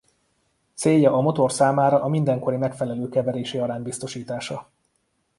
Célja a motor számára a mindenkori megfelelő keverési arány biztosítása.